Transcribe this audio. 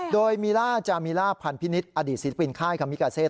โดยมีล่าจามิล่าพันธินิษฐ์อดีตศิลปินค่ายคามิกาเซต